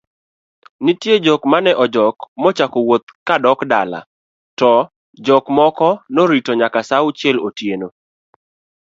nitie jok mane ojok ma ochako wuodh ka dok dala to jok moko noritonyakasaaauchielotieno